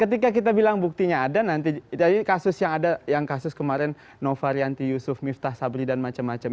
ketika kita bilang buktinya ada nanti kasus yang ada yang kasus kemarin nova rianti yusuf miftah sabri dan macam macam